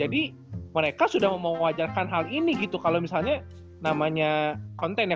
jadi mereka sudah mewajarkan hal ini gitu kalo misalnya namanya konten ya